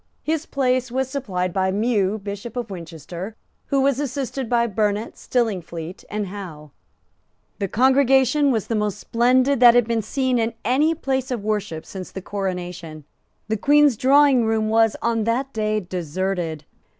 His place was supplied by Mew, Bishop of Winchester, who was assisted by Burnet, Stillingfleet and Hough. The congregation was the most splendid that had been seen in any place of worship since the coronation. The Queen's drawingroom was, on that day, deserted.